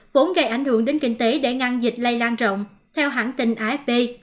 vốn gây ảnh hưởng đến kinh tế để ngăn dịch lây lan rộng theo hãng tình ifp